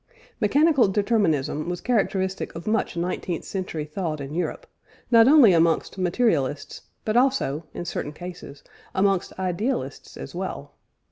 " Mechanical determinism was characteristic of much nineteenth century thought in Europe, not only amongst materialists, but also, in certain cases, amongst idealists as well.